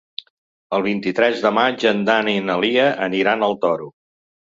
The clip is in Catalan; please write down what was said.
El vint-i-tres de maig en Dan i na Lia aniran al Toro.